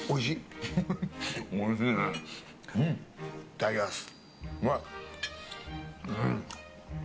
いただきます。